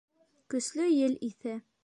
Көслө ел иҫә